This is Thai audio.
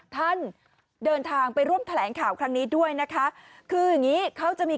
เดินทางไปร่วมแถลงข่าวครั้งนี้ด้วยนะคะคืออย่างงี้เขาจะมี